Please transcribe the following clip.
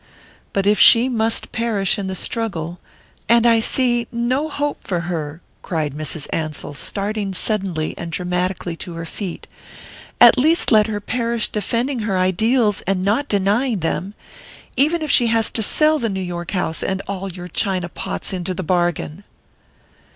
But if she must perish in the struggle and I see no hope for her " cried Mrs. Ansell, starting suddenly and dramatically to her feet, "at least let her perish defending her ideals and not denying them even if she has to sell the New York house and all your china pots into the bargain!"